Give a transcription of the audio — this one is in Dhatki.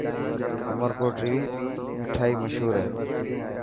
عمرڪوٽ ري مٺائن مشهور هي.